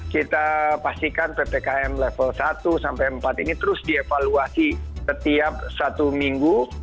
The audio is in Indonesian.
kita pastikan ppkm level satu sampai empat ini terus dievaluasi setiap satu minggu